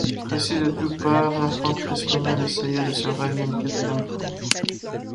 Pressée de toutes parts, l’infanterie espagnole essaya de se rallier une quatrième fois.